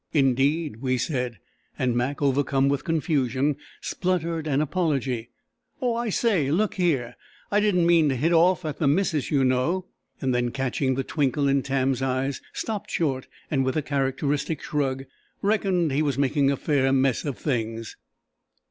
"Indeed!" we said, and Mac, overcome with confusion, spluttered an apology: "Oh, I say! Look here! I didn't mean to hit off at the missus, you know!" and then catching the twinkle in Tam's eyes, stopped short, and with a characteristic shrug "reckoned he was making a fair mess of things."